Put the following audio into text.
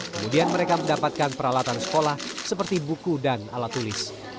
kemudian mereka mendapatkan peralatan sekolah seperti buku dan alat tulis